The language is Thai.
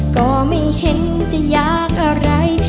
ก็ไม่เห็นจะอยากอะไร